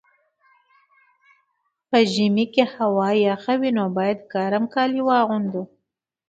په ژمي کي هوا یخه وي، نو باید ګرم کالي واغوندو.